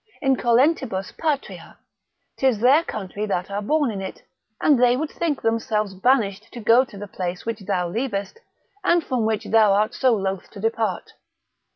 Incolentibus patria, 'tis their country that are born in it, and they would think themselves banished to go to the place which thou leavest, and from which thou art so loath to depart.